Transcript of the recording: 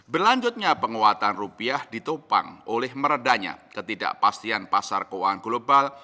berlanjutnya penguatan rupiah ditopang oleh meredanya ketidakpastian pasar keuangan global